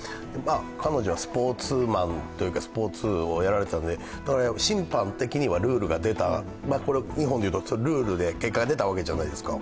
彼女はスポーツをやられていたので審判的にはルールが出た、これは日本で言うとルールで結果が出たわけじゃないですか。